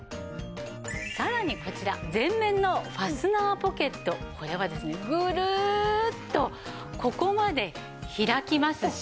さらにこちら前面のファスナーポケットこれはですねグルッとここまで開きますし